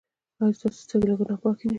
ایا ستاسو سترګې له ګناه پاکې دي؟